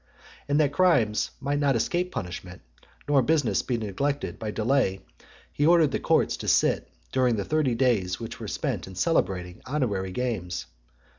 And that crimes might not escape punishment, nor business be neglected by delay, he ordered the courts to sit during the thirty days which were spent in celebrating honorary games.